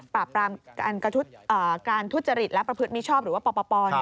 การทุจริตและประพฤติมิชอบหรือว่าปป